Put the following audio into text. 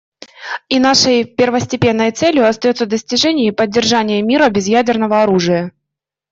И нашей первостепенной целью остается достижение и поддержание мира без ядерного оружия.